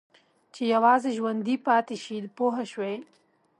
چې یوازې ژوندي پاتې شي پوه شوې!.